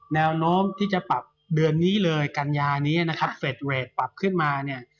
แนวโน้มที่จะปรับเดือนนี้เลยกันยานี้เฟสเวทปรับขึ้นมา